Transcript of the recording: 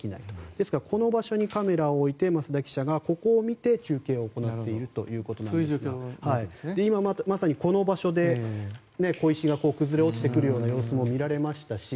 ですからこの場所にカメラを置いて、増田記者が現場を見て今、まさにこの場所で小石が崩れ落ちてくるような様子も見られましたし。